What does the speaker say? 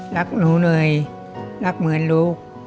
รักหนูเหนื่อยรักเหมือนลูก